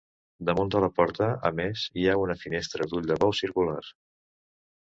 Damunt de la porta, a més, hi ha una finestra d'ull de bou circular.